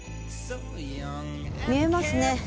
見えますね。